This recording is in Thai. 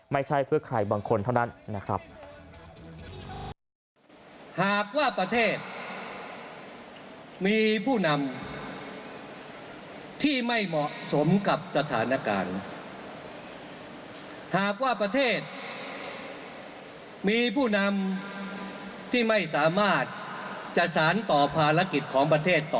ไม่ใช่เพื่อใครบางคนเท่านั้นนะครับ